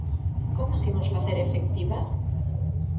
¿Como as imos facer efectivas?